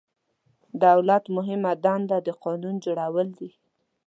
دولت مهمه دنده د قانون جوړول دي.